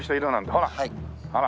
ほら。